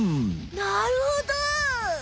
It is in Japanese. なるほど！